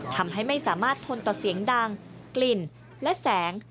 ทำให้ไม่สามารถทนต่อเสียงดังกลิ่นและแสง